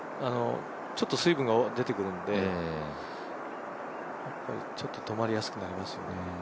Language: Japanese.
ちょっと水分が出てくるんでちょっと止まりやすくなりますよね。